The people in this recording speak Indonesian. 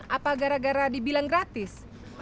apa gara gara dibilang gratis